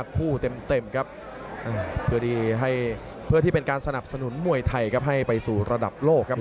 ๕คู่เต็มเพื่อที่เป็นการสนับสนุนมวยไทยให้ไปสู่ระดับโลกครับ